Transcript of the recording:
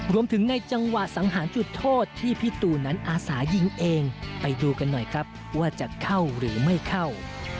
ในจังหวะสังหารจุดโทษที่พี่ตูนนั้นอาสายิงเองไปดูกันหน่อยครับว่าจะเข้าหรือไม่เข้า